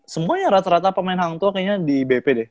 semuanya rata rata pemain hang tua kayaknya di bp deh